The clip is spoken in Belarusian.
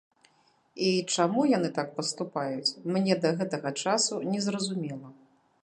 І чаму яны так паступаюць, мне да гэтага часу не зразумела.